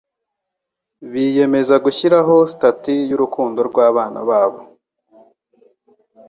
biyemeza gushyiraho statut y'urukundo rw'abana babo.